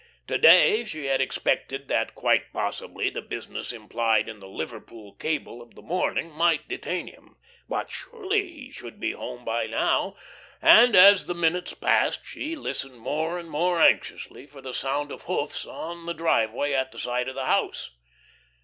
To day she had expected that quite possibly the business implied in the Liverpool cable of the morning might detain him, but surely he should be home by now; and as the minutes passed she listened more and more anxiously for the sound of hoofs on the driveway at the side of the house.